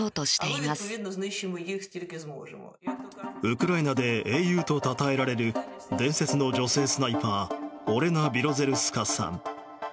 ウクライナで英雄とたたえられる伝説の女性スナイパーオレナ・ビロゼルスカさん。